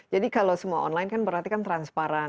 jadi kalau semua online kan berarti kan transparan